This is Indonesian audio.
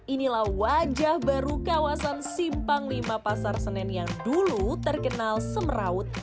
inilah wajah baru kawasan simpang lima pasar senen yang dulu terkenal semeraut